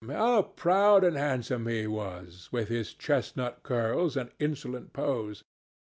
How proud and handsome he was, with his chestnut curls and insolent pose!